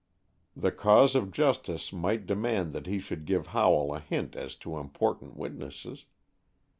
The cause of justice might demand that he should give Howell a hint as to important witnesses.